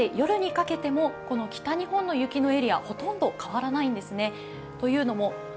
そして夜にかけても北日本の雪のエリア、ほとんど変わらないんですね。